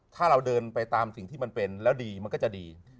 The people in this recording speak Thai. ถ้าเราเดินไปตามสิ่งที่มันเป็นแล้วดีมันก็จะดี